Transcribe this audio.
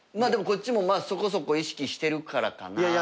でもこっちもそこそこ意識してるからかな。